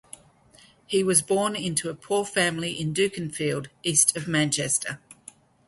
He was born into a poor family in Dukinfield, east of Manchester.